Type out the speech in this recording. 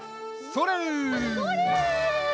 それ！